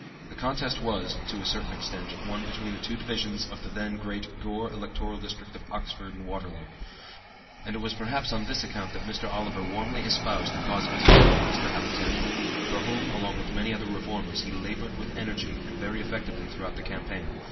The contest was, to a certain extent, one between the two divisions of the then great Gore electoral district of Oxford and Waterloo; and it was perhaps on this account that Mr. Oliver warmly espoused the cause of his neighbor, Mr. Alexander, for whom, along with many other Reformers, he labored with energy and very effectively throughout the campaign.